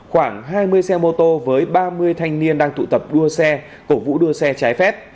khoảng hai mươi xe mô tô với ba mươi thanh niên đang tụ tập đua xe cổ vũ đua xe trái phép